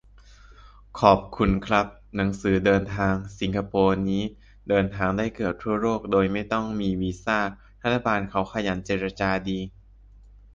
ขอบคุณครับ หนังสือเดินทางสิงคโปร์นี่เดินทางได้เกือบทั่วโลกโดยไม่ต้องมีวีซ่า รัฐบาลเขาขยันเจรจาดี